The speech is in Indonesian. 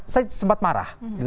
saya sempat marah